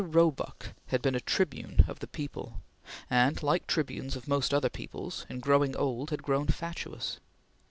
Roebuck had been a tribune of the people, and, like tribunes of most other peoples, in growing old, had grown fatuous.